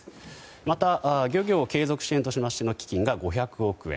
また、漁業継続支援の基金が５００億円。